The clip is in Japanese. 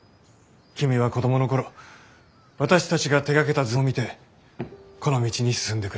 君は子供の頃私たちが手がけた図を見てこの道に進んでくれた。